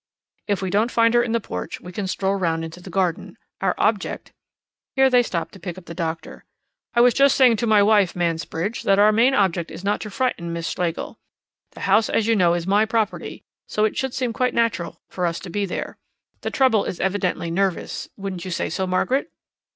"If we don't find her in the porch, we can stroll round into the garden. Our object " Here they stopped to pick up the doctor. "I was just saying to my wife, Mansbridge, that our main object is not to frighten Miss Schlegel. The house, as you know, is my property, so it should seem quite natural for us to be there. The trouble is evidently nervous wouldn't you say so, Margaret?"